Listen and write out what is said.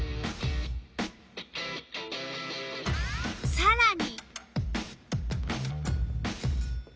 さらに。